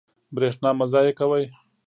برښنا مه ضایع کوئ